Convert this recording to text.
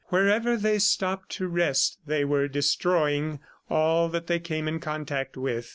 Wherever they stopped to rest, they were destroying all that they came in contact with.